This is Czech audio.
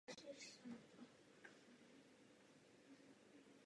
Je obecně považován za hlavního teoretika nástupu modernismu na severu.